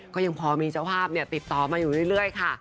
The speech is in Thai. ก็ยังพอมีเจ้าภาพติดต่อมาอยู่เรื่อยค่ะ